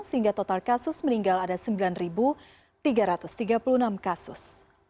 sehingga total kasus meninggal ada sembilan tiga ratus tiga puluh enam kasus